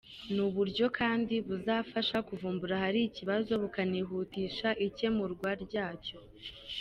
Ni uburyo kandi buzafasha kuvumbura ahari ikibazo bukanihutisha ikemurwa ryacyo.